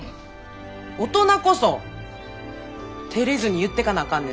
大人こそてれずに言ってかなあかんねん。